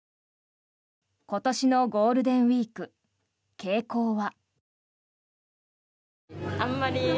今年のゴールデンウィーク傾向は。